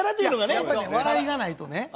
やっぱりね笑いがないとね。